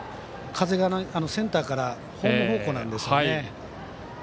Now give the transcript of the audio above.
風がセンターからホーム方向なんですよね。